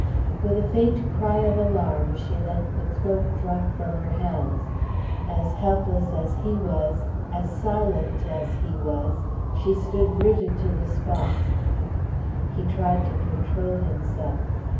With a faint cry of alarm she let the cloak drop from her hands. As helpless as he was, as silent as he was, she stood rooted to the spot. He tried to control himself.